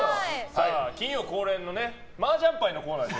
金曜恒例のマージャン牌のコーナーです。